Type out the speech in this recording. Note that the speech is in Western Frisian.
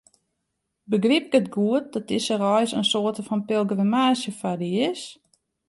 Begryp ik it goed dat dizze reis in soarte fan pelgrimaazje foar dy is?